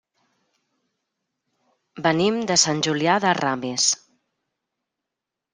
Venim de Sant Julià de Ramis.